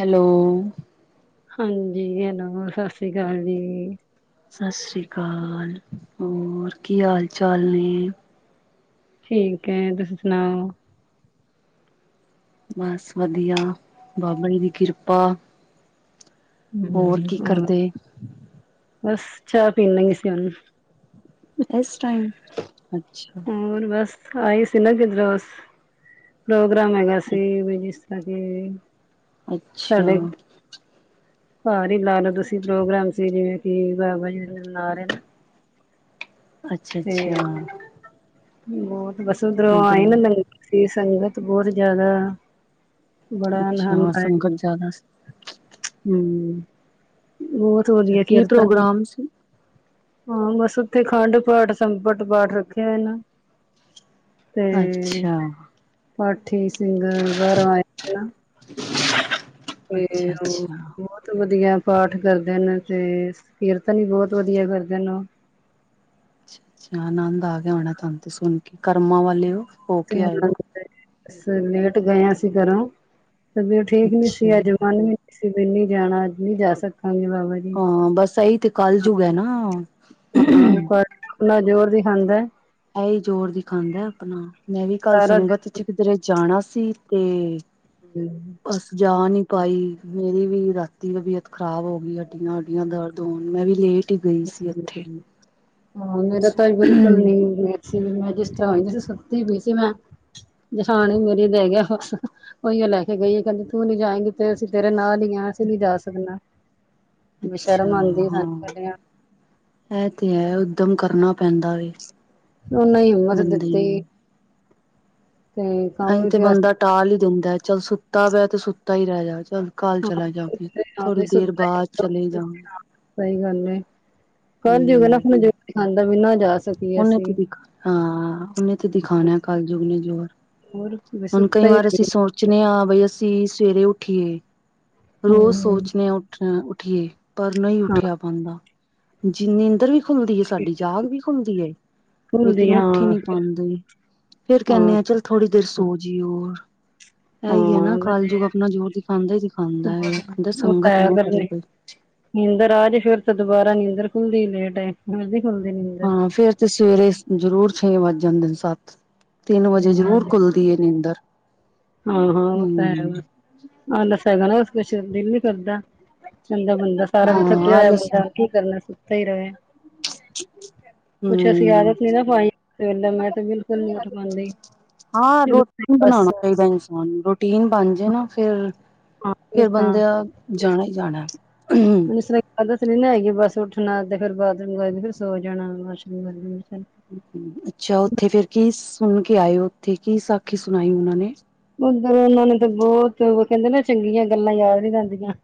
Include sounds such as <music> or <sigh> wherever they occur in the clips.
Hello ਹਾਂਜੀ, hello, ਸਤਿ ਸ਼੍ਰੀ ਅਕਾਲ ਜੀ। ਸਤਿ ਸ੍ਰੀ ਅਕਾਲ, ਹੋਰ ਕੀ ਹਾਲ ਚਾਲ ਨੇ? ਠੀਕ ਹੈ ਤੁਸੀਂ ਸੁਣਾਓ? ਬਸ ਵਧੀਆ, ਬਾਬਾ ਜੀ ਦੀ ਕਿਰਪਾ। ਹਮ ਕੀ ਹੋਰ ਕਰਦੇ ਬਸ ਚਾਹ ਪੀ ਲਗੇ ਸੀ ਹੁਣ ਇਸ ਟਾਈਮ ਅੱਛਾ ਹੋਰ ਬਸ ਆਏ ਸੀ ਨਾ ਕਿੱਧਰੋਂ ਬਸ ਪ੍ਰੋਗਰਾਮ ਹੈਗਾ ਸੀ ਬਿਜੀ ਸੀਗੇ। ਅੱਛਾ ਘਰ ਹੀ ਲਾ ਲਓ ਤੁਸੀਂ ਪ੍ਰੋਗਰਾਮ ਸੀ ਜਿਵੇਂ ਕਿ ਬਾਬਾ ਜੀ ਨਾਲ ਨੇ। ਅੱਛਾ ਤੇ ਅੱਛਾ ਬਹੁਤ ਬਸ ਉਧਰੋਂ ਆਈ ਇਧਰ ਨਾ। ਸੀ ਸੰਗਤ ਬਹੁਤ ਜ਼ਿਆਦਾ ਬੜਾ ਆਨੰਦ ਅੱਛਾ ਆਇਆ। ਸੰਗਤ ਜ਼ਿਆਦਾ ਹਮ ਬਹੁਤ ਹੋ ਅੱਛਾ ਗਿਆ ਕੀ ਕੀਰਤਨ ਪ੍ਰੋਗਰਾਮ ਸੀ ਹਾਂ ਬਸ ਉੱਥੇ ਖੰਡ ਪਾਠ ਸੰਪਟ ਪਾਠ ਰੱਖਿਆ ਏ ਨਾ। ਤੇ ਅੱਛਾ ਪਾਠੀ ਸਿੰਘ ਬਾਹਰੋਂ ਆਏ। ਹਨ <inaudible> ਤੇ ਅੱਛਾ ਅੱਛਾ ਉਹ ਅੱਛਾ ਬਹੁਤ ਵਧੀਆ ਪਾਠ ਕਰਦੇ ਨੇ ਤੇ ਕੀਰਤਨ ਵੀ ਬਹੁਤ ਵਧੀਆ ਕਰਦੇ ਨੇ ਉਹ। ਅੱਛਾ ਅੱਛਾ ਆਨੰਦ ਆ ਗਿਆ ਹੋਣਾ ਤੁਹਾਨੂੰ ਤੇ ਸੁਣ ਕੇ ਕਰਮਾਂ ਵਾਲੇ ਓ। <inaudible> ਲੇਟ ਗਏ ਆ ਅਸੀਂ ਘਰੋਂ। ਤਬੀਅਤ ਠੀਕ ਨੀ ਅੱਛਾ ਸੀ ਅੱਜ ਮਨ ਵੀ ਨੀ ਸੀ ਵੀ ਨੀ ਜਾਣਾ ਅੱਜ ਨੀ ਜਾ ਸਕਾਂਗੇ ਬਾਬਾ ਜੀ। ਹਾਂ ਬਸ ਇਹੀ ਤੇ ਕਲਜੁਗ ਐ ਨਾ। ਹਾਂ ਕਿੰਨਾ ਜ਼ੋਰ ਦਿਖਾਂਦਾ। ਇਹੀ ਜ਼ੋਰ ਦਿਖਾਂਦਾ ਆਪਣਾ ਮੈਂ ਵੀ ਕੱਲ ਸਾਰਾ ਸੰਗਤ ਦਿਨ ਚ ਕਿਧਰੇ ਜਾਣਾ ਸੀ ਤੇ। ਹੂੰ, ਬਸ ਜਾ ਨੀ ਪਾਈ ਮੇਰੀ ਵੀ ਰਾਤੀ ਤਬੀਅਤ ਖ਼ਰਾਬ ਹੋ ਗਈ ਹੱਡੀਆਂ-ਹੁਡੀਆਂ ਦਰਦ ਦੋ ਮੈਂ ਵੀ ਲੇਟ ਈ ਗਈ ਸੀ ਉੱਥੇ। ਆਹ ਮੇਰਾ ਤਾਂ ਬਿਲਕੁਲ ਨੀ <unintelligible> ਮੈਂ ਜਿਸ ਤਰ੍ਹਾਂ ਸੁੱਤੀ ਪਈ ਸੀ ਮੈਂ। ਜਹਾਨ ਮੇਰੀ ਦੇ ਗਿਆ ਬਸ ਉਹੀ ਆ ਲੈ ਕੇ ਗਈ ਆ ਕਹਿੰਦੇ ਤੂੰ ਨੀ ਜਾਏਗੀ ਤੇ ਅਸੀਂ ਤੇਰੇ ਨਾਲ ਹੀ ਆ ਅਸੀਂ ਨੀ ਜਾ ਸਕਨਾ। ਵੀ ਸ਼ਰਮ ਅੱਛਾ ਆਂਦੀ ਆ ਹਾਂ ਸਾਨੂੰ ਇਹ ਤੇ ਹੈ ਉੱਦਮ ਕਰਨਾ ਪੈਂਦਾ ਵੈ। ਉਹਨਾਂ ਹਿੰਮਤ ਦਿੱਤੀ। ਤੇ ਕੰਮ ਅਸੀਂ ਵੀ ਤੇ ਪਿਆ ਬੰਦਾ ਟਾਲ਼ ਹੀ ਦਿੰਦਾ ਚੱਲ ਸੁੱਤਾ ਵੈ ਤੇ ਸੁੱਤਾ ਹੀ ਰਹਿ ਜਾਵੇ ਚੱਲ। ਕੱਲ ਚਲਾ ਜਾਓਗੀ ਥੋੜ੍ਹੀ ਦੇਰ ਬਾਅਦ ਚਲੇ ਜਾਊਗੇ। ਸਹੀ ਗੱਲ ਐ ਕੱਲ <unintelligible> ਦੇ ਹਮ ਬਿਨਾ ਜਾ ਸਕੀਏ ਉਹਨੇ ਤੇ ਅਸੀਂ ਦਿ ਹਾਂ ਉਹਨੇ ਤੇ ਦਿਖਾਉਣਾ ਕਲਯੁੱਗ ਨੇ ਜ਼ੋਰ ਹੋਰ ਵੀ ਹੁਣ ਕਈ ਸੁੱਤਾ ਹੀ ਵਾਰ ਅਸੀਂ ਰਹੀਏ ਸੋਚ ਣੇ ਆ ਬਈ ਅਸੀਂ ਸਵੇਰੇ ਉੱਠੀਏ ਰੋਜ਼ ਸੋਚਦੇ ਆ ਉਠ ਉੱਠੀਏ। ਪਰ ਨਹੀਂ ਹਾਂ ਉੱਠਿਆ ਪੈਦਾ ਜੀ ਨੀਂਦਰ ਵੀ ਖੁੱਲਦੀ ਐ ਸਾਡੀ ਜਾਗ ਵੀ। ਖੁੱਲਦੀ ਲੇਕਿਨ ਭੁੱਲਦੀ ਉੱਠ ਈ ਹਾਂ ਨੀ ਫਿਰ ਪਾਂਦੀ ਫੇਰ ਹਾਂ ਕਹਿੰਨੇ ਆ ਚੱਲ ਥੋੜ੍ਹੀ ਦੇਰ ਸੋਜੀਏ ਹੋਰ। ਇਹੀ ਐ ਨਾ ਹਾਂ ਵਧੀਆ ਕਲਯੁਗ ਆਪਣਾ ਜ਼ੋਰ ਦਿਖਾਂਦਾ ਹੀ ਦਿਖਾਂਦਾ ਹੋਰ ਕਹਿੰਦਾ ਉਹ ਤਾਂ ਸੰਗਤ ਹੈ ਨਾ ਅਗਰ ਕਰੇ ਨਹੀਂ ਕੋਈ ਨੀਂਦਰ ਆ ਜੇ ਫੇਰ ਤਾਂ ਦੁਬਾਰਾ ਨੀਂਦਰ ਖੁੱਲਦੀ ਲੇਟ ਆ ਫਿਰ ਨੀ ਖੁੱਲਦੀ ਨੀਂਦਰ। ਹਾਂ ਫੇਰ ਤੇ ਸਵੇਰੇ ਜ਼ਰੂਰ ਛੇ ਵੱਜ ਜਾਂਦੇ ਨੇ ਸੱਤ ਤਿੰਨ ਵਜੇ ਜ਼ਰੂਰ ਖੁੱਲਦੀ ਐ ਨੀਂਦਰ। ਹਾਂ ਹਾਂ ਉਹ ਤਾਂ ਹਮ ਹੈ ਬਸ ਹੈਗਾ ਨਾ ਕੁਛ ਦਿਲ ਨੀ ਕਰਦਾ। ਆਂਦਾ ਬੰਦਾ ਸਾਰਾ ਦਿਨ ਹਾਂ ਥੱਕਿਆ ਹੋਇਆ ਆਲਸ ਬੰਦਾ ਕੀ ਕਰਨਾ ਸੁੱਤਾ ਹੀ ਰਹੇ। ਕੁੱਛ ਅਸੀਂ ਹਮ ਆਦਤ ਨੀ ਨਾ ਪਾਈ ਮੈਂ ਤੇ ਬਿਲਕੁਲ ਨੀ ਉੱਠ ਪਾਂਦੀ। ਹਾਂ ਰੋਟੀਨ ਬਣਾਣਾ ਚਾਹੀਦਾ ਇਨਸਾਨ ਨੂੰ ਰੋਟੀਨ ਬਣਜੇ ਨਾ ਫਿਰ। ਹਾਂ ਫਿਰ ਫੇਰ ਤਾਂ ਬੰਦਿਆਂ ਜਾਣਾ ਜਾਣਾ। ਮੈਨੂੰ ਇਸ ਤਰ੍ਹਾਂ ਆਦਤ ਨੀ ਨਾ ਹੈਗੀ ਬਸ ਉੱਠਣਾ ਤੇ ਫੇਰ ਬਾਥਰੂਮ ਫਿਰ ਸੋ ਜਾਣਾ ਵਾਸ਼ਰੂਮ ਵ ਅੱਛਾ ਉੱਥੇ ਫੇਰ ਕੀ ਸੁਣ ਕੇ ਆਏ ਉੱਥੇ ਕੀ ਸਾਖੀ ਸੁਣਾਈ ਉਹਨਾਂ ਨੇ। ਉੱਧਰ ਉਹਨਾਂ ਨੇ ਤਾਂ ਬਹੁਤ ਉਹ ਕਹਿੰਦੇ ਨਾ ਚੰਗੀਆਂ ਗੱਲਾਂ ਯਾਦ ਨੀ ਰਹਿੰਦੀਆਂ।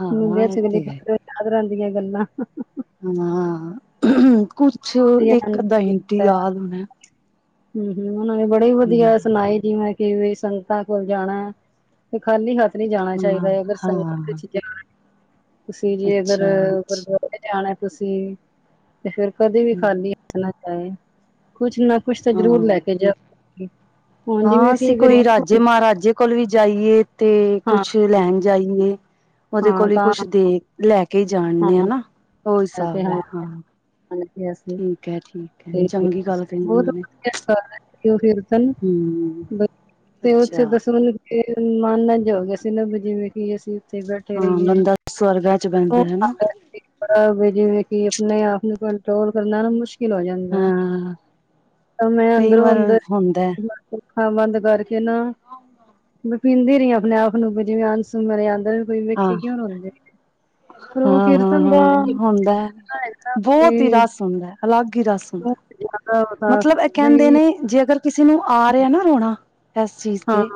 ਹਾਂ ਮੁੂੰਦਿਆਂ ਇਹ ਚੁਗਲੀ ਤੇ ਹੈ <unintelligible> ਯਾਦ ਰਹਿੰਦੀਆਂ ਗੱਲਾਂ। ਹਾਂ ਕੁਛ ਧਿਆਨ ਇੱਕ ਅੱਧਾਂ ਹਿੰਟ ਹੀ ਕੀਤਾ ਯਾਦ ਹੋਣਾ। ਹੂੰ ਹੂੰ, ਉਹਨਾਂ ਨੇ ਬੜੇ ਹੂੰ, ਵਧੀਆ ਸੁਣਾਏ ਜਿਵੇਂ। ਕਿ ਵੀ ਸੰਗਤਾਂ ਕੋਲ ਜਾਣਾ ਤੇ ਖਾਲੀ ਹੱਥ ਜਾਣਾ ਹਾਂ ਚਾਹੀਦਾ ਅਗਰ ਸੰਗਤ ਹਾਂ ਵਿੱਚ ਜਾਣਾ ਤੁਸੀਂ ਜੇ ਅਗਰ ਅੱਛਾ ਗੁਰ ਅੱਛਾ ਜਾਣਾ ਤੁਸੀਂ ਤੇ ਫਿਰ ਕਦੇ ਵੀ ਹੂੰ, ਖਾਲੀ ਹੱਥ ਨਾ ਜਾਵੇ ਕੁਛ ਨਾ ਕੁਛ ਤਾਂ ਜ਼ਰੂਰ ਲੈ ਹਾਂ ਕੇ ਜਾਵੇ। ਹਾਂ ਅਸੀਂ ਕੋਈ ਰਾਜੇ ਮਹਾਰਾਜੇ ਕੋਲ ਵੀ ਜਾਈਏ ਤੇ ਹਾਂ ਕੁਛ ਲੈਣ ਜਾਈਏ। ਉਹਦੇ ਹਾਂ ਕੋਲ ਹੀ ਤਾਂ ਕੁਛ ਦੇ ਲੈ ਕੇ ਹਾਂ ਜਾਣਦੇ ਆ ਨਾ ਹਾਂ ਉਹ ਹਿਸਾਬ ਐ ਹਾਂ। ਅਸੀਂ ਠੀਕ ਐ ਠੀਕ ਐ ਤੇ ਚੰਗੀ ਗੱਲ ਕਹਿੰਦੀ ਬਹੁਤ ਓਹਨਾਂ ਨੇ। ਵਧੀਆ ਕਰ ਕੀਰਤਨ ਹੂੰ- ਬ ਤੇ ਅੱਛਾ ਉੱਥੇ ਦਸਵੰ ਮਾਨ ਏਜ ਹੋ ਗਿਆ ਸੀ ਨਾ ਜਿਵੇਂ ਕਿ ਅਸੀਂ ਥੇ ਬੈਠੇ ਹਾਂ ਰਹੀਏ। ਬੰਦਾ ਸਵਰਗਾਂ ਚ ਬਹਿੰਦਾ ਹਨਾ <unintelligible> ਜਿਸ ਤਰਾਂ ਜਿਵੇਂ ਕਿ ਆਪਣੇ ਆਪ ਨੂੰ ਕੰਟਰੋਲ ਕਰਨਾ ਨਾ ਮੁਸ਼- ਕੀ ਲੈ ਗਿਆ ਉਨਦਾ, ਹਾਂ। ਹੋ ਦੇ ਕਈ ਅੰਦਰੋਂ ਵਾਰ ਅੰਦਰ ਹੁੰਦਾ ਅੱਖਾਂ ਬੰਦ ਕਰਕੇ ਨਾ ਮੈਂ ਪੀਂਦੀ ਰਹੀ ਆਪਣੇ ਆਪ ਨੂੰ ਵੀ ਜਿਵੇਂ ਅੰਸੂ ਮੇਰੇ ਅੰਦਰ ਕੋਈ ਹਾਂ ਵੇਖੇ ਕਿਉਂ ਰੋੱਦੇ ਹਾਂ, ਹਾਂ, ਹਾਂ ਹੁੰਦੈ, ਹੈਗਾ ਬਹੁਤ ਈ ਰਸ ਹੁੰਦੈ, ਅਲੱਗ ਈ ਰਸ ਹੁੰਦਾ। ਮਤਲਬ ਇਹ ਕਹਿੰਦੇ ਬਈ ਨੇ, ਜੇ ਅਗਰ ਕਿਸੇ ਨੂੰ ਆ ਰਿਹਾ ਨਾ ਰੋਣਾ, ਇਸ ਚੀਜ਼ ਹਾਂ ਤੇ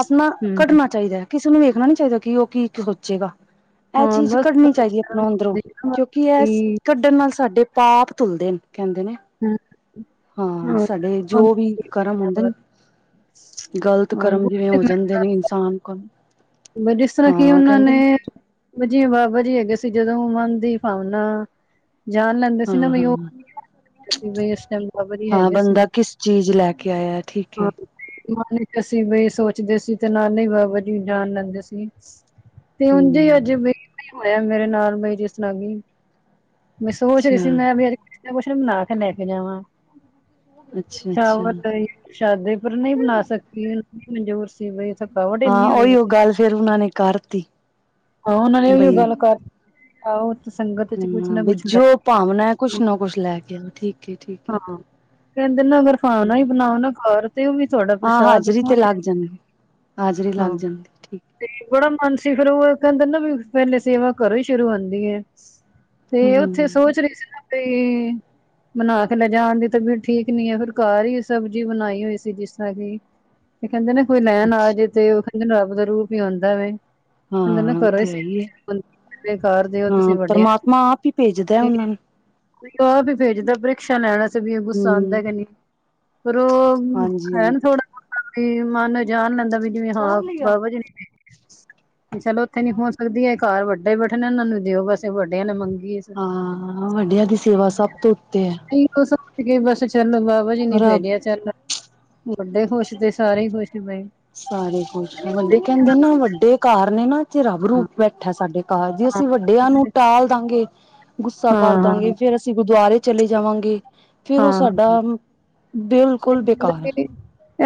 ਆਪਣਾ ਹੂੰ ਕੱਢਣਾ ਚਾਹੀਦਾ। ਕਿਸੇ ਨੂੰ ਵੇਖਣਾ ਨੀ ਚਾਹੀਦਾ ਕਿ, ਉਹ ਕੀ ਸੋਚੇਗਾ। ਇਹ ਹਾਂ ਚੀਜ਼ ਬਸ ਕੱਢਣੀ ਚਾਹੀਦੀ ਹੈ ਸ਼ਰਮ ਆਪਣਾ ਅੰਦਰੋਂ ਆਉਂਦੀ ਨਾ ਕਿਉਂਕਿ ਬਸ ਇਹ ਵੀ ਕੱਢਣ ਨਾਲ ਸਾਡੇ, ਪਾਪ ਧੁਲਦੇ ਨ ਕਹਿੰਦੇ ਨੇ। ਹਮ <unintelligible> ਹਾਂ ਸਾਡੇ ਜੋ ਵੀ ਕਰਮ ਹੁੰਦੇ ਹਾਂ। ਨੇ ਗ਼ਲਤ ਹਾਂ ਕਰਮ ਬੁੱਧ ਜਿੜੇ ਜਾਂਦੇ ਨੇ ਇਨਸਾਨ ਕੋਲ ਬ ਜਿਸ ਤਰਾਂ ਹਾਂ ਕੀ ਉਹ ਉਹਨਾਂ ਕਹਿੰਦੇ ਨੇ, ਬਾਬਾ ਜੀ, ਬਾਬਾ ਜੀ ਹੈਗੇ ਸੀ, ਜਦੋਂ ਉਹ ਮਨ ਦੀ ਭਾਵਨਾ ਜਾਣ ਲੈਂਦੇ ਹਾਂ ਸੀ ਨਾ ਬਈ ਉਹ ਹਾਂ ਅਸੀਂ ਬਈ, ਇਸ ਟਾਈਮ ਬਾਬਾ ਜੀ ਹਾਂ ਹੈਗੇ ਸੀ, ਬੰਦਾ ਕਿਸ ਚੀਜ਼ ਲੈ ਕੇ ਆਇਆ ਠੀਕ ਹੈ ਹਾਂ। ਮਨ ਈਚ ਅਸੀ ਬਈ ਸੋਚਦੇ ਸੀ, ਤੇ ਨਾਲੇ ਈ ਬਾਬਾ ਜੀ ਜਾਣ ਲੈਂਦੇ ਸੀ। ਤੇ ਉੰਝ ਈ ਅਜੇ ਹਮ ਈ ਹੋਇਆ, ਮੇਰੇ ਨਾਲ, ਬਈ ਜਿਸ ਤਰ੍ਹਾਂ ਕਿ ਮੈਂ ਸੋਚ ਰਹੀ ਸੀ, ਅੱਛਾ ਮੈਂ ਵੀ ਅੱਜ ਕੁੱਛ ਨਾ ਪੁੱਛ ਬਨਾਕੇ ਲੈਕੇ ਜਾਵਾਂ। ਅੱਛਾ ਚਾ ਅੱਛਾ ਵਧ ਰਹੀ। ਸ਼ਾਦੀ ਪਰ ਨਹੀਂ ਬੁਲਾ ਸਕੀ ਕਜ਼ੂਰ <unintelligible> ਸੀ ਸਬ ਥਕਾਵਟ ਹਾਂ ਇਨੀ ਉਹੀ ਹੋਦੀ ਉਹ ਸੀ। ਗੱਲ ਫੇਰ ਉਹਨਾਂ ਨੇ ਕਰਤੀ ਹਾਂ ਉਹਨਾਂ ਨੇ ਵੀ <unintelligible> ਬਈ ਗੱਲ ਕਰ ਆਹੋ ਤੇ ਸੰਗਤ ਚ ਕੁਛ ਨਾ ਹਮ ਬ ਕੁਛ ਹੁੰ ਜੋ ਭਾਵਨਾ ਕੁਛ ਨਾ ਕੁੱਛ ਲੈ ਕੇ ਨ ਠੀਕ। ਹੈ ਠੀਕ ਹੈ ਹਾਂ, ਕਹਿੰਦੇ ਨੇ ਅਗਰ ਭਾਵਨਾ ਹੀ ਬਣਾਓ ਨਾ ਘਰ ਦੇ ਵਿੱਚ- ਤੁਹਾਡਾ ਹਾਂ ਪ੍ਰਸ਼ਾਦ ਹਾਜ਼ਰੀ ਤੇ ਪੁਹਚ ਲੱਗ ਜਾਂਦੀ ਹਾਜ਼ਰੀ ਲੱਗ ਹਾਂ ਜਾਂਦੀ ਠੀਕ ਤੇ ਬੜਾ ਮਨ ਸੀ ਫੇਰ ਉਹ ਕਹਿੰਦੇ ਨਾ ਵੀ ਪਹਿਲੇ ਸੇਵਾ ਕਰੋ ਹੀ ਸ਼ੁਰੂ ਹੋਦੀ ਏ। ਤੇ ਉੱਥੇ ਹੂੰ, ਸੋਚ ਰਹੀ ਸੀ ਨਾ ਬਈ। ਬਣਾ ਕੇ ਲੈਜਾਣ ਦੀ ਤਬੀਅਤ ਠੀਕ ਨੀ ਹੈ ਫਿਰ ਘਰ ਹੀ ਸਬਜ਼ੀ ਬਣਾਈ ਹੋਈ ਸੀ ਜਿਸ ਤਰਾ ਕਿ ਤੇ ਕਹਿੰਦੇ ਨਾ ਕੋਈ ਲੈਣ ਅੱਛਾ ਆਜੇ ਤੇ, ਉਹ ਕਹਿੰਦੇ ਰੱਬ ਦਾ ਰੂਪ ਈ ਹੋਂਦਾ ਵੇ। ਮੈਨੂ ਹਾਂ ਉਹ ਕਰੋ ਹੀ ਤੇ ਹੈ ਏ <inaudible> ਬੇਕਾਰ, ਦੇ ਹੋ ਹਾਂ ਤੁਸੀਂ ਵੱਡੇ ਹੋ ਪਰਮਾਤਮਾ ਆਪ ਹੀ ਭੇਜਦਾ ਕੀ ਉਹਨਾਂ ਤਰੀਕ ਨੂੰ <unintelligible> ਕੋਈ ਆਹ ਵੀ ਵੇਖਦਾ ਪ੍ਰਿਕਸ਼ਾ ਲੈਣਾ। ਚਲਿਏ ਗੁੱਸਾ ਆਉਂਦਾ ਹੂੰ, ਕਿ ਨਹੀਂ, ਪਰ ਉਹ ਹਾਂਜੀ ਹਾਂ ਹੈ ਨੀ ਥੋੜਾ। ਮਨ ਜਾਣ ਲੈਂਦਾ, ਭੀ ਜਿਵੇਂ ਹਾਂ, ਬਾਬਾ ਜੀ <inaudible> ਦੀ ਸੀ। ਚਲੋ ਉੱਥੇ ਨੀ ਹੋ ਸਕਦੀ ਐ, ਘਰ ਵੱਡੇ ਬੈਠੇ ਨੇ, ਇਹਨਾਂ ਨੂੰ ਦਿਓ ਬਸ ਵੱਡਿਆਂ ਨੇ ਮੰਗੀ ਏ। ਹਾਂ, ਵੱਡਿਆਂ ਦੀ ਸੇਵਾ ਸਭ ਤੋਂ ਉੱਤੇ ਐ। ਨਹੀਂ, ਉਹ ਸੋਚਕੇ ਬਸ ਚੱਲ ਬਾਬਾ ਜੀ ਨੀ ਰੱਬ ਭੇਜਿਆ ਚੱਲ। ਵੱਡੇ ਖੁਸ਼ ਤੇ ਸਾਰੇ ਹੀ ਖੁਸ਼ ਭਈ। ਸਾਰੇ ਖੁਸ਼, ਵੱਡੇ ਕਹਿੰਦੇ ਨਾ ਵੱਡੇ ਘਰ ਨੇ ਨਾ ਰਬ ਰੂਪ ਬੈਠਾ ਸਾਡੇ ਘਰ ਜੇ ਅਸੀਂ ਵੱਡਿਆਂ ਨੂੰ ਟਾਲ ਦਾਂਗੇ, ਗੁੱਸਾ ਕਰ ਹਾਂ ਦਾਂਗੇ। ਫੇਰ ਅਸੀ ਜੇ ਗੁਰਦੁਆਰੇ ਚਲੇ ਜਾਵਾਂਗੇ। ਫਿਰ ਉਹ ਸਾਡਾ ਦਿਲ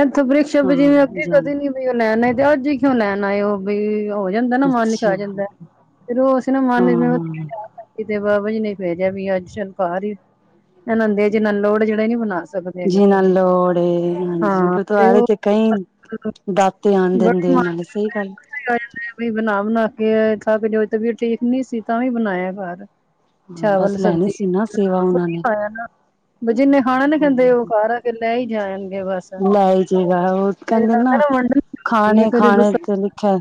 ਇਥੋਂ ਪ੍ਰਿਕਸ਼ਾ ਜਿਵੇਂ ਹਾਂ ਅੱਗੇ ਜਾਣ ਕਦੇ ਨੀ। ਲਿਆਉ ਤੇ ਅੱਜ ਕਿਉਂ ਲੈਣ ਆਏ ਉਹ ਭਈ ਹੋ ਜਾਂਦਾ ਨਾ ਮਨ ਚ ਆ ਅੱਛਾ ਹਾਂ ਜਾਂਦਾ, ਫੇਰ ਉਹ ਨਾ ਮਨ ਹਾਂ ਕਿਤੇ ਬਾਬਾ ਜੀ ਨੇ ਭੇਜਿਆ ਸੀ ਅੱਜ ਘਰ ਈ, ਇਨਾ ਦੇ ਜਿਨਾ ਨੂੰ ਲੋੜ ਜੇਹੜਾ ਨੀ ਬਨਾ ਸਕਦੇ। <inaudible> ਨਾ ਲੋੜੇ ਈ ਹਾਂ ਤੇ ਗੁਰਦਵਾਰੇ ਉਹ ਵਿੱਚ ਕਈਂ। ਦਾਤੇ ਆਣ ਦਿੰਦੇ ਬੜੀ ਇਹ ਮਾਂ ਨਾਲੇ ਸਹੀ ਗੱਲ। ਆ ਜਾਂਦੇ ਬ ਬਣਾ-ਬਣਾ ਕੇ ਥੱਕ ਜੋ ਵੀ ਠੀਕ ਨਹੀਂ ਸੀ ਤਾਂ ਵੀ ਬਣਾਇਆ ਘਰ ਹਾਂ ਚਾਵਲ ਬਸ ਲੈਣੀ ਸਬਜ਼ੀ ਸੀ ਨਾ ਸੇਵਾ ਕੁਛ ਉਹਨਾਂ ਨੇ ਖੁਆ ਨਾ ਜਿੰਨੇ ਖਾਣਾ ਨਹੀਂਂ ਚਾਦੇ ਉਹ <unintelligible> ਲੈ ਹੀ ਜਾਣਗੇ ਬਸ। ਲੈਈ ਜੇ ਗਾ ਉਹ ਕਹਿੰਦੇ ਲੱਗਦਾ ਨਾ। ਵੰਡਣੀ ਕਦੇ ਖਾਣੇ-ਖਾਣੇ ਗੁੱਸਾ ਤੇ ਲਿਖੇ,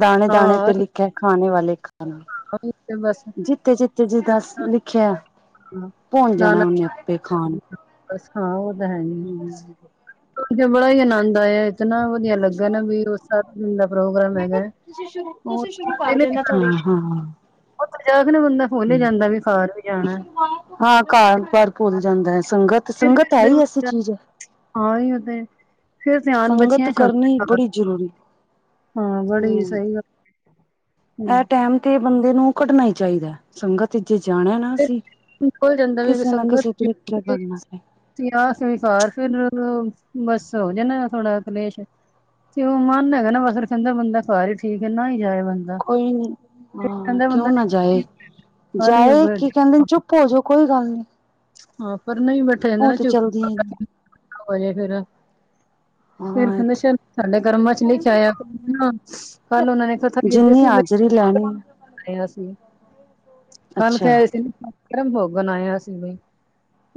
ਦਾਣੇ-ਦਾਣੇ ਹਾਂ ਪੇ ਲਿਖੇ, ਖਾਣ ਵਾਲੇ ਕਾ ਨਾਮ। ਤੇ ਬਸ ਜਿੱਥੇ-ਜਿੱਥੇ ਜਿਦਾ ਲਿਖਿਆ। ਭੁਣ ਨਾ ਜਾਣਾ ਨਾ ਉਹਨੇ ਆਪੇ ਖਾਣ ਬਸ ਹਾਂ, ਉਹ ਤਾਂ ਹੈ ਨੀ ਉਥੇ ਬੜਾ ਹੀ ਆਨੰਦ ਆਇਆ। ਇਤਨਾ ਵਧੀਆ ਲੱਗਾ ਨਾ ਵੀਰ ਉ ਸਾਰਾ ਦਿਨ ਦਾ ਪ੍ਰੋਗਰਾਮ ਹੈਗਾ ਉਹ ਦਿਨ ਕਿਨਾ ਹਾਂ-ਹਾਂ ਹੀ ਜਾਂਦਾ ਵੀ ਘਰ ਵੀ ਜਾਣਾ। ਕਰ ਹਾਂ ਕਰ। ਭੁੱਲ ਜਾਂਦਾ ਐ ਸੰਗਤ, ਫਿਰ ਸੰਗਤ ਹੈ ਹੀ ਐਸੀ ਕਹਿੰਦੇ ਚੀਜ਼ ਐ। ਹਾਂ ਅਇਉ ਤੇ ਫੇਰ ਧਿਆਨ ਬਛੀਆਂ ਸੰਗਤ ਏਚ ਕਰਨੀ ਆਂਦਾ, ਬੜੀ ਜ਼ਰੂਰੀ ਹਾਂ ਬੜੀ ਹੂੰ ਸਹੀ ਗੱਲ। ਇਹ ਹੂੰ ਟੈਮ ਤੇ ਬੰਦੇ ਨੂੰ ਕੱਢਣਾ ਹੀ ਚਾਹੀਦਾ ਸੰਗਤ ਇਚ ਜਾਣਾ ਨਾ ਅਸੀ ਖੁੱਲ ਜਾਂਦਾ ਵੇ ਸੰਗਤ ਕਰਨਾ ਪਏ ਯਾਹਾ ਸਵੀਕਾਰ ਹੋ ਜਾਣਾ ਫੇਰ ਬਸ ਥੋੜ੍ਹਾ ਕਲੇਸ਼। ਤੇ ਉਹ ਮਨ ਹੈਗਾ ਨਾ ਬਸ ਕਹਿੰਦਾ ਬੰਦਾ ਘਰ ਹੀ ਠੀਕ ਐ ਨਾ ਹੀ ਜਾਏ ਬੰਦਾ। ਕੋਈ ਨੀ ਹਾਂ ਕਹਿੰਦਾ ਕਿਉਂ ਬੰਦਾ ਨਾ ਜਾਏ, ਜਾਏ ਕੀ ਕਹਿੰਦੇ ਚੁੱਪ ਭੋਜੋ ਕੋਈ ਗੱਲ ਨੀ। ਹਾਂ ਪਰ ਨਹੀਂ ਬੈਠੇ ਜਾਂਦਾ ਉਹ ਨਾ ਤੇ ਚੁਪ ਚਲਦੀਆਂ ਹੀ ਹੋਜੇ ਫੇਰ ਫੇਰ ਹਾਂ ਕਹਿੰਦੇ ਸ਼ ਇੱਥੇ ਸਾਡੇ ਕਰਮਾਂ ਚ ਲਿਖਿਆ ਹੋਇਆ ਤੇ ਨਾ। ਕੱਲ ਉਹਨਾਂ ਨੇ ਕਥਾ ਕੀਤੀ ਜਿੰਨੀ ਸੀ ਭਈ ਹਾਜ਼ਰੀ ਲੈਣੀ ਕਲ ਅੱਛਾ ਕਹਿ ਰਹੇ ਸੀ ਨਾ ਗਰਮ ਭੋਗ ਬਣਾ ਆਇਆ ਅਸੀ ਤੇ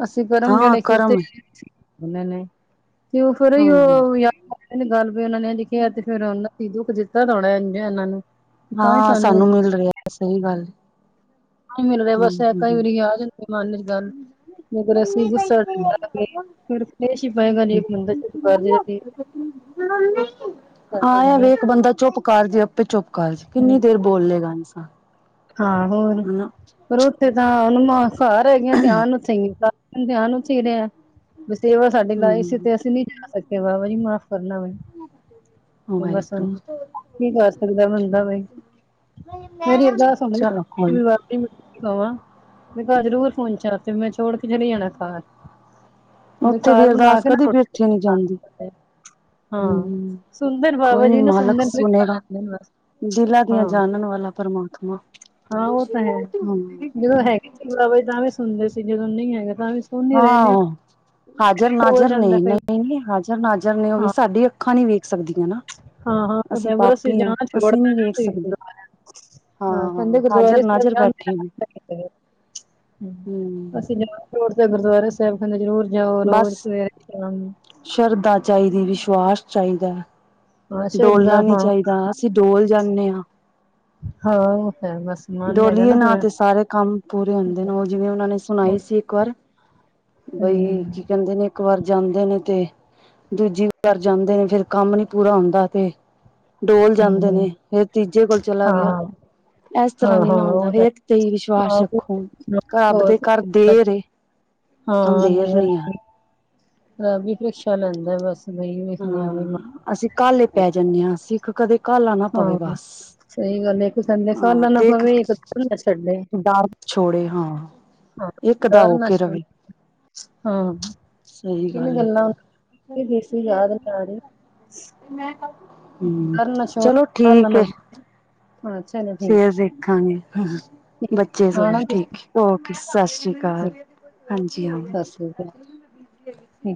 ਅਸੀਂ ਕਰਮ ਹਾਂ ਜਿਹੜੇ ਕੀਤੇ ਕਰਮ ਦੇ ਨੇ, ਤੇ ਉਹ ਫੇਰ ਈ ਹਾਂ ਉਹ ਯਾ ਫੇਰ ਕਿ ਗੱਲ ਵੀ ਉਹਨਾਂ ਨੇ ਲਿਖਿਆ ਤੇ ਫਿਰ ਉਹਨਾਂ ਸਬੂਤ ਦਿੱਤਾ ਦਾ ਇਹਨਾਂ ਨੂੰ। ਤਾਂ ਹੀ ਹਾਂ ਸਾਨੂੰ ਮਿਲ ਰਿਹਾ ਸਹੀ ਗੱਲ। ਨੀ ਮਿਲ ਰਿਹਾ ਬਸ ਹੂੰ ਕਈ ਹੂੰ ਵਾਰੀ ਯਾਦ ਮਨ ਚ ਗੱਲ। ਮਗਰ ਅਸੀਂ ਗੁੱਸਾ ਕੀਤਾ ਕੀ ਫੇਰ ਪੇਸ਼ ਹੀ ਪੈ ਗਏ ਅਨੇਕ ਹੀ ਮੰਦਿਰ ਚ ਜੀ। ਹਾਂ ਐ ਵੀ ਇੱਕ ਬੰਦਾ ਚੁੱਪ ਕਰ ਜੇ ਆਪੇ ਚੁੱਪ। ਬਸ ਕਿੰਨੀ ਦੇਰ ਬੋਲੇ ਗਾ <unintelligible> ਹਾਂ ਹੋਰ, ਪਰ ਉੱਥੇ ਤਾਂ ਨੂਆਂ ਘਰ ਹੈਗੀਆਂ ਧਿਆਨ ਉੱਥੇ ਏਦਾ। ਧਿਆਨ ਹੀ ਰਿਹਾ, ਹੂੰ <unintelligible> ਬਾਬਾ ਜੀ ਮਾਫ਼ ਕਰਨਾ ਮੈਨੂੰ ਬਸ ਵਾਹਿਗੁਰੂ ਕੀ ਕਰ ਸਕਦਾ ਬੰਦਾ ਬਈ। ਮੇਰੀ <inaudible> <inaudible> ਨੀ। ਮੈਂ ਘਰ ਜ਼ਰੂਰ ਪਹੁੰਚਾ ਤੇ ਮੈਂ ਛੋੜ ਕੇ ਚਲੀ ਜਾਣਾ ਘਰ। ਬਈ ਉੱਥੇ ਦੀ ਘਰ ਬਨਾ ਅਰਦਾਸ ਕੇ ਨਾ ਕਦੀ ਬੇਠੀ ਨੀ <unintelligible> ਜਾਂਦੀ ਹਾਂ, ਹੂੰ ਸੁਨਦੇ ਨੇ ਬਾਬਾ ਜੀ ਨਾ ਸੁਨਦੇ ਨੇ <unintelligible> ਦਿਲ ਦੀਆਂ ਹਾਂ ਜਾਨਨ ਵਾਲਾ ਪ੍ਰਮਾਤਮਾ। ਹਾਂ ਓ ਤਾਂ ਹੈ। ਜਦੋਂ ਹੈਗੇ ਸੀ ਬਾਬਾ ਜੀ ਤਾਂ ਵੀ ਸੁਨਦੇ ਸੀ ਜਦੋਂ ਨਈ ਹੈਗੇ ਤਾਂ ਵੀ ਸੁਨਦੇ ਰੈਂਦੇ ਆਂ। ਹਾਂ ਹਾਜ਼ਰ ਨਾਜ਼ਰ ਨੇ ਨਈ ਹਾਜ਼ਰ ਨਾਜ਼ਰ ਨੇ ਓ ਵੀ ਹਾਂ ਸਾਡੀ ਅੱਖਾਂ ਨੀ ਵੇਖ ਸਕਦੀਆਂ ਨਾ। ਹਾਂ ਹਾਂ ਅਸੀਂ ਐਵਰ ਪਾਪੀ ਆਂ ਜਾਣਾ ਅਸੀਂ ਛੋੜਤਾ ਨੀ ਨਾ ਵੇਖ ਸਕਦੇ, ਗੁਰਦੁਆਰਾ ਹਾਂ ਕਹਿੰਦੇ ਹਾਜ਼ਰ ਗੁਰਦੁਆਰੇ ਸਾਹਿਬ ਨਾਜ਼ਰ ਬੈ ਜਾਂਦੇ ਰਾਤ ਠਿੰਮ ਪੈ ਗਏ। ਹੂੰ ਅਸੀਂ ਨਈ ਆਂ ਹੋਰ ਤਾਂ ਗੁਰਦੁਆਰੇ ਸੈਬ ਕੈਂਦੇ ਜ਼ਰੂਰ ਜਾਓ ਬਸ ਰੋਜ਼ ਸਵੇਰੇ ਸ਼ਾਮ ਨੂੰ। ਸ਼ਰਧਾ ਚਾਈਦੀ ਵਿਸ਼ਵਾਸ ਚਾਈਦੈ। ਹਾਂ ਸ਼ਰਧਾ ਡੋਲਨਾ ਨੀ ਹਾਂ ਚਾਈਦਾ ਅਸੀਂ ਡੋਲ ਜਾਂਨੇ ਆਂ। ਹਾਂ ਉਹ ਹੈ ਬਸ ਮਨ ਹੈਗਾ ਡੋਲੀਏ ਨਾ ਫਿਰ ਨਾਂ ਤੇ ਸਾਰੇ ਕੰਮ ਪੂਰੇ ਹੁੰਦੇ ਨੇ ਓ ਜਿਵੇਂ ਓਨਾਂ ਨੇ ਹੂੰ ਸੁਨਾਈ ਸੀ। ਕੁਰ ਬਈ ਕੀ ਕੈਂਦੇ ਨੇ ਇੱਕ ਵਾਰ ਜਾਂਦੇ ਨੇ ਤੇ ਦੂਜੀ ਵਾਰ ਜਾਂਦੇ ਨੇ ਫਿਰ ਕੰਮ ਨੀ ਪੂਰਾ ਹੁੰਦਾ ਤੇ ਡੋਲ ਜਾਂਦੇ ਹੂੰ ਨੇ, ਫਿਰ ਤੀਜੇ ਕੋਲ ਚਲਾ ਹਾਂ ਗਿਆ। ਹਾਂ ਐਸ ਹਾਂ ਤਰ੍ਹਾਂ ਨਈ ਹਾਂ ਨਾ ਹੁੰਦਾ ਉਹ ਤਾਂ ਇੱਕ ਤੇ ਈ ਵਿਸ਼ਵਾਸ ਆਹੋ ਰੱਖੋ। ਕਾਬ ਦੇ ਹੋਰ ਘਰ ਦੇਰ ਏ। ਹਾਂ ਅੰਧੇਰ ਦੇਰ ਨੀ ਆ ਰੱਬ ਵੀ ਪ੍ਰੀਕਸ਼ਾ ਲੈਂਦਾ ਵੈਸੇ। ਹਾਂ ਅਸੀਂ ਕਾਲ੍ਹੇ ਪੈ ਜਾਂਨੇ ਆਂ ਸਿੱਖ ਕਦੇ ਕਾਲ੍ਹਾ ਨਾ ਪਵੇ ਬਸ। ਸਈ ਗੱਲ ਏ ਇੱਕ ਕੈਂਦੇ ਹਾਂ ਕਾਲ੍ਹਾ ਨਾ ਤੇ ਪਵੇ ਇੱਕ ਭਜਨ ਨਾ ਛੱਡੇ। ਡਰ ਛੋੜੇ, ਹਾਂ ਹਾਂ, ਇੱਕ ਦਾ ਡਰ ਹੋ ਨਾ ਕੇ ਛੋ ਰਵੇ। ਹਾਂ, ਸਈ ਤਿੰਨ ਗੱਲ ਏ। ਗੱਲਾਂ ਦੇਸੀ ਯਾਦ ਨੀ ਆ ਰਹੀ ਹੂੰ, ਡਰ ਚਲੋ ਠੀਕ ਏ। ਥੋੜਾ ਚਲੋ ਠੀਕ, ਫੇਰ ਦੇਖਾਂਗੇ ਠੀਕ ਬੱਚੇ ਸਬ ਆਣਾ ਠੀਕ ਤੁਸੀਂ ਓਕੇ ਸਸ਼ ਰੀ ਅ ਹਾਂਜੀ ਹਾਂ। ਸੋਕਨਾ ਹੂੰ